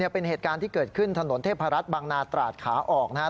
เป็นเหตุการณ์ที่เกิดขึ้นถนนเทพรัฐบางนาตราดขาออกนะครับ